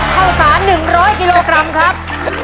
ข้าวสาร๑๐๐กิโลกรัมครับ